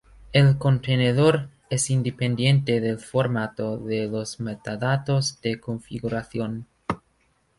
El contenedor es independiente del formato de los metadatos de configuración.